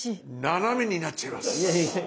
斜めになっちゃいます。